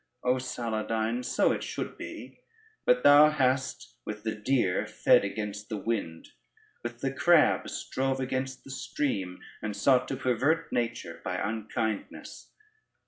O Saladyne, so it should be; but thou hast with the deer fed against the wind, with the crab strove against the stream, and sought to pervert nature by unkindness.